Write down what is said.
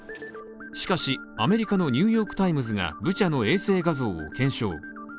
しかしアメリカの「ニューヨーク・タイムズ」がブチャの衛星画像を検証。